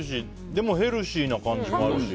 でもヘルシーな感じもあるし。